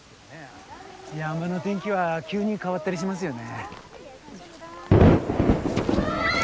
山の天気は急に変わったりしますよね。